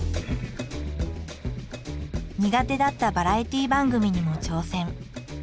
苦手だったバラエティー番組にも挑戦。